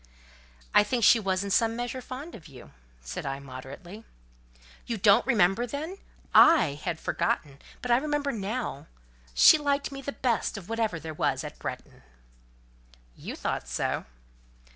"I think she was in some measure fond of you," said I, moderately. "You don't remember then? I had forgotten; but I remember now. She liked me the best of whatever there was at Bretton." "You thought so."